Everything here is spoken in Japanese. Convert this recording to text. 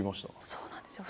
そうなんですよ。